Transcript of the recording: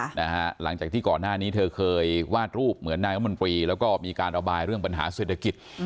หลังจากที่ก่อนหน้านี้เธอเคยวาดรูปเหมือนนายรัฐมนตรีแล้วก็มีการระบายเรื่องปัญหาเศรษฐกิจ